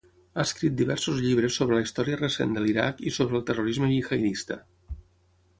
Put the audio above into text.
Ha escrit diversos llibres sobre la història recent de l'Iraq i sobre el terrorisme jihadista.